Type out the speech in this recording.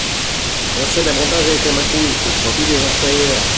Un seul avantage a été maintenu, au profit des employeurs.